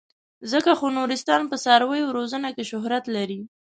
ځکه خو نورستان په څارویو روزنه کې شهرت لري.